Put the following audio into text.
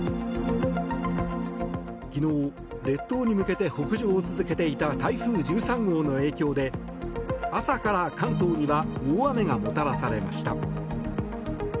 昨日、列島に向けて北上を続けていた台風１３号の影響で朝から関東には大雨がもたらされました。